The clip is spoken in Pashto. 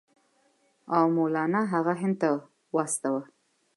او مولنا هغه هند ته واستاوه.